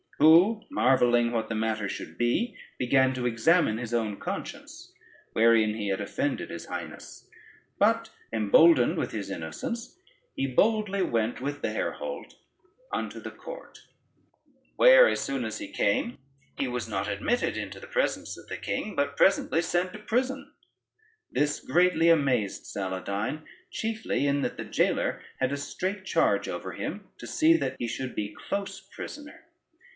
Who marvelling what the matter should be, began to examine his own conscience, wherein he had offended his highness; but emboldened with his innocence, he boldly went with the herehault unto the court; where, as soon as he came, he was not admitted into the presence of the king, but presently sent to prison. This greatly amazed Saladyne, chiefly in that the jailer had a straight charge over him, to see that he should be close prisoner.